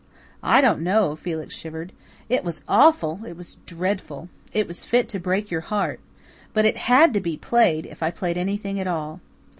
"I don't know." Felix shivered. "It was awful it was dreadful. It was fit to break your heart. But it HAD to be played, if I played anything at all."